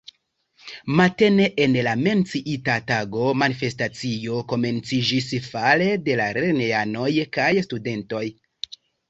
Matene en la menciita tago manifestacio komenciĝis fare de lernejanoj kaj studentoj.